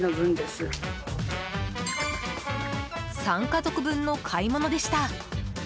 ３家族分の買い物でした。